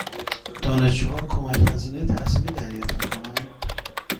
دانشجوها کمک هزینه تحصیلی دریافت می کنند؟